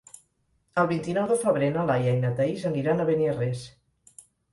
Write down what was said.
El vint-i-nou de febrer na Laia i na Thaís aniran a Beniarrés.